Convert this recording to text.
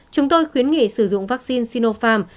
chúng tôi khuyến nghị sử dụng vaccine sinopharm